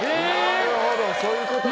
なるほどそういうことか。